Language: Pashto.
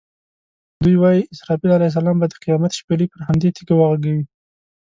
دوی وایي اسرافیل علیه السلام به د قیامت شپېلۍ پر همدې تیږه وغږوي.